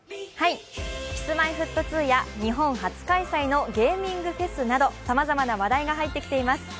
Ｋｉｓ−Ｍｙ−Ｆｔ２や日本初開催のゲーミングフェスなどさまざまな話題が入ってきています。